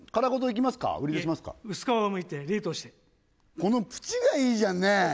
いえ薄皮をむいて冷凍してこのプチがいいじゃんね